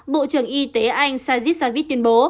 bộ trưởng y tế anh sajid savit tuyên bố